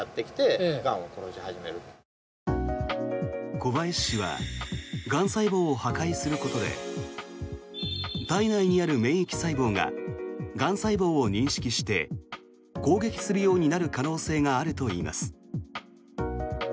小林氏はがん細胞を破壊することで体内にある免疫細胞ががん細胞を認識して攻撃するようになる可能性があるといいます。